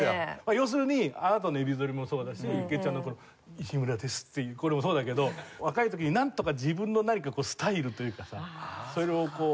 要するにあなたのエビ反りもそうだし由紀江ちゃんのこの「西村です」っていうこれもそうだけど若い時になんとか自分の何かスタイルというかさそれをこう。